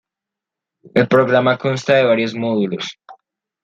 El programa consta de varios módulos.